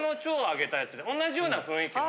同じような雰囲気の。